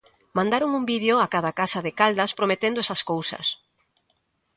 Mandaron un vídeo a cada casa de Caldas prometendo esas cousas.